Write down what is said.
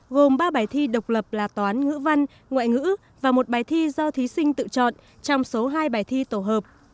gồm ba bài thi độc lập là toán ngữ văn ngoại ngữ và một bài thi do thí sinh tự chọn trong số hai bài thi tổ hợp